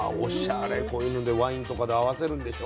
こういうのでワインとかと合わせるんでしょ？